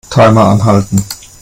Timer anhalten.